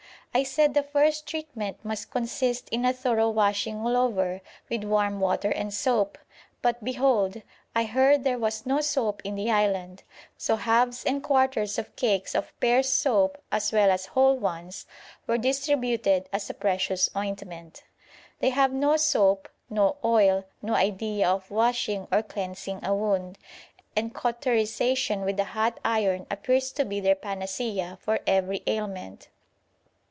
I said the first treatment must consist in a thorough washing all over with warm water and soap: but behold! I heard there was no soap in the island, so halves and quarters of cakes of Pears' soap as well as whole ones, were distributed as a precious ointment. They have no soap, no oil, no idea of washing or cleansing a wound, and cauterisation with a hot iron appears to be their panacea for every ailment.